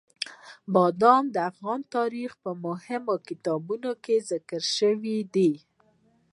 بادام د افغان تاریخ په مهمو کتابونو کې ذکر شوي دي.